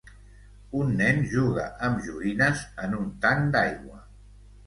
Un nen juga amb joguines en un tanc d'aigua